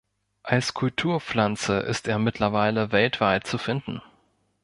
Als Kulturpflanze ist er mittlerweile weltweit zu finden.